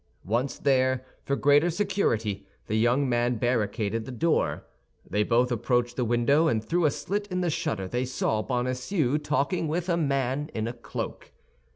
Once there, for greater security, the young man barricaded the door. They both approached the window, and through a slit in the shutter they saw Bonacieux talking with a man in a cloak.